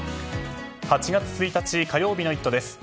８月１日、火曜日の「イット！」です。